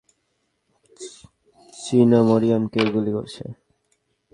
চিনো মারিয়াকে গুলি করেছে।